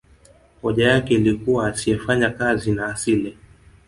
hoja yake ilikuwa asiyefanya kazi na asile